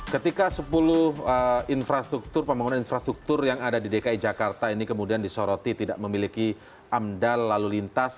ketika sepuluh infrastruktur pembangunan infrastruktur yang ada di dki jakarta ini kemudian disoroti tidak memiliki amdal lalu lintas